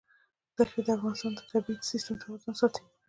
دښتې د افغانستان د طبعي سیسټم توازن ساتي.